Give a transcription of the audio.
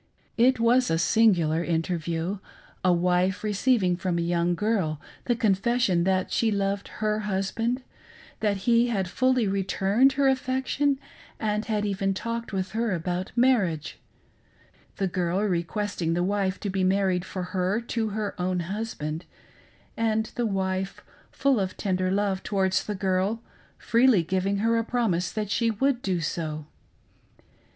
It was a singular interview; — a wife receiving from a young girl the confession that she loved her husband; that he had fully returned her affection, and had even talked with her about marriage : the girl requesting the wife to be married for her to her own husband, and the wife, full of tender love towards the girl, freely giving her a promise that she would do so.